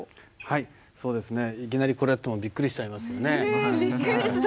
いきなりこれやってもびっくりしちゃいますよね。